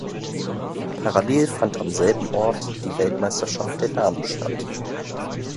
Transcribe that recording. Parallel fand am selben Ort die Weltmeisterschaft der Damen statt.